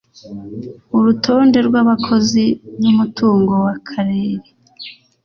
urutonde rw’abakozi n’umutungo w’Akarere